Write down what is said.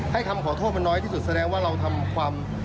คำขอโทษมันน้อยที่สุดแสดงว่าเราทำความ